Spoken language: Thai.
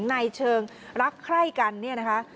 ในเชิงรักใคร่กันนะคะ